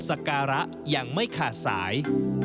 สการะยังไม่ขาดสาย